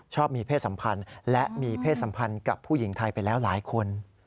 ชอบมีเพศสัมพันธ์และมีเพศสัมพันธ์กับผู้หญิงไทยไปแล้วหลายคน